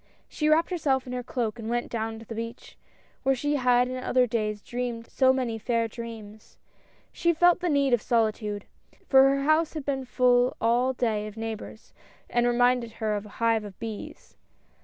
She wrapped herself in her cloak and went down to the beach, where she had in other days dreamed so many fair dreams. She felt the need of solitude, for her house had been full all day of neigh bors, and reminded her of a hive of bees.